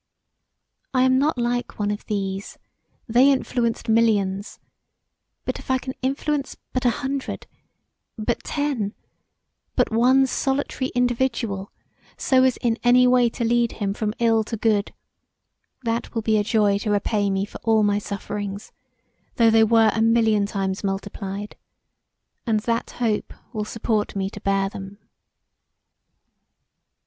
I am not like one of these; they influenced millions: but if I can influence but a hundred, but ten, but one solitary individual, so as in any way to lead him from ill to good, that will be a joy to repay me for all my sufferings, though they were a million times multiplied; and that hope will support me to bear them[.